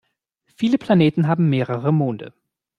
Viele Planeten haben mehrere Monde.